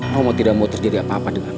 romo tidak mau terjadi apa apa denganmu